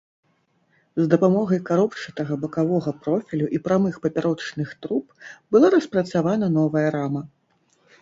З дапамогай каробчатага бакавога профілю і прамых папярочных труб была распрацавана новая рама.